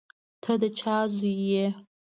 ته د چا زوی یې؟